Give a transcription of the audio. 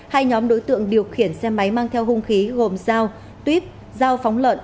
hai nhóm đối tượng điều khiển xe máy mang theo hung khí gồm giao tuyếp giao phóng lợn